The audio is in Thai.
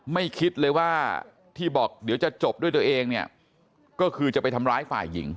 ไม่คิดเลยว่าที่บอกเดี๋ยวจะจบด้วยตัวเองเนี่ยก็คือจะไปทำร้ายฝ่ายหญิง